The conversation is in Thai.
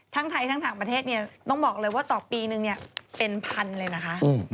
ทั้งไทยทั้งต่างประเทศต้องบอกเลยว่าต่อปีนึงเนี่ยเป็นพันเลยนะคะ